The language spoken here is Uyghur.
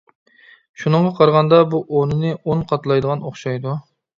شۇنىڭغا قارىغاندا بۇ ئونىنى ئون قاتلايدىغان ئوخشايدۇ.